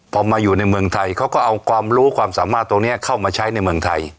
พอมาอยู่ในเมืองไทยเขาก็เอาความรู้ความสามารถตรงนี้เข้ามาใช้ในเมืองไทย